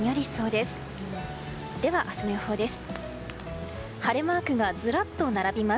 では明日の予報です。